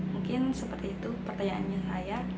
mungkin seperti itu pertanyaannya saya